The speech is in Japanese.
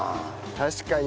確かに。